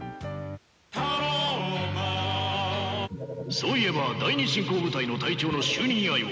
そういえば第二侵攻部隊の隊長の就任祝いを。